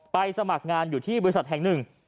สมัครงานอยู่ที่บริษัทแห่งหนึ่ง